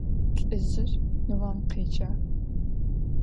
Lh'ızjır nıom khêcağ.